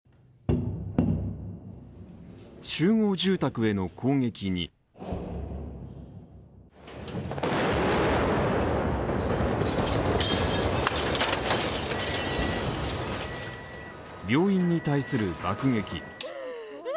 集合住宅への攻撃に病院に対する爆撃。